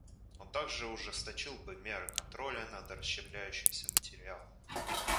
Он также ужесточил бы меры контроля над расщепляющимся материалом.